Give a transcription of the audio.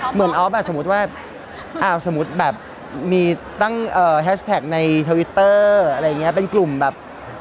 ออฟอ่ะสมมุติว่าสมมุติแบบมีตั้งแฮชแท็กในทวิตเตอร์อะไรอย่างนี้เป็นกลุ่มแบบ